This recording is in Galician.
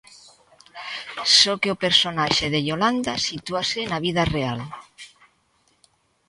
Só que o personaxe de Iolanda sitúase na vida real.